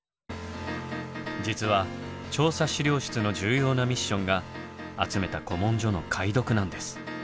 実は調査史料室の重要なミッションが集めた古文書の解読なんです。